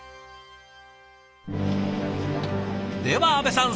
では阿部さん